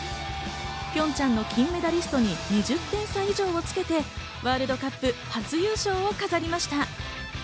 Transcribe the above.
ピョンチャンの金メダリストに２０点差以上をつけて、ワールドカップ初優勝を飾りました。